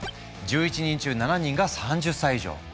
１１人中７人が３０歳以上！